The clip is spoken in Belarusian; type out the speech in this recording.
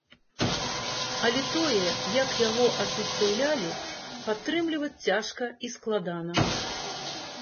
Але тое, як яго ажыццяўлялі, падтрымліваць цяжка і складана.